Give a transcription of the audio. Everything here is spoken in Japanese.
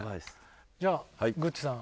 じゃあグッチさん。